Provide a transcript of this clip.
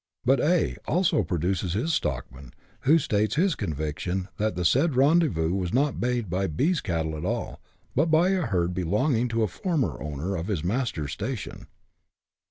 But A. also produces his stockman, who states his conviction that the said rendezvous was not made by B.'s cattle at all, but by a herd belonging to a former owner of his master's station.